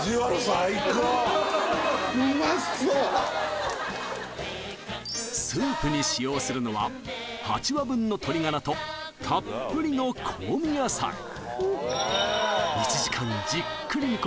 最高うまそうスープに使用するのは８羽分の鶏ガラとたっぷりの香味野菜１時間じっくり煮込み